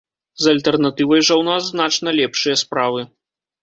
З альтэрнатывай жа ў нас значна лепшыя справы.